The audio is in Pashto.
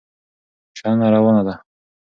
شننه روانه وه.